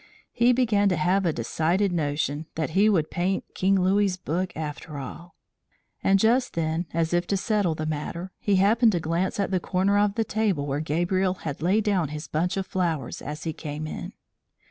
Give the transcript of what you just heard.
He began to have a decided notion that he would paint King Louis's book after all. And just then, as if to settle the matter, he happened to glance at the corner of the table where Gabriel had laid down his bunch of flowers as he came in.